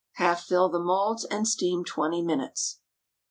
Half fill the moulds, and steam twenty minutes.